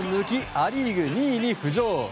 ア・リーグ２位に浮上。